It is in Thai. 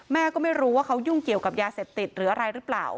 แม่ก็ไม่รู้ว่าเขายุ่งเกี่ยวกับยาเสพติดหรืออะไรหรือเปล่า